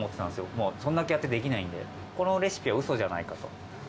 もうそんだけやってて出来ないんで、このレシピはうそじゃないかと。